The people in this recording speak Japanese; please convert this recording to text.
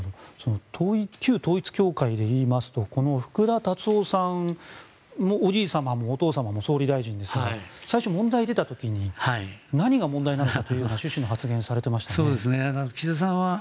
旧統一教会で言いますとこの福田達夫さんのおじい様もお父様も総理大臣ですが最初、問題が出た時に何が問題なのかという趣旨の発言をされていましたね。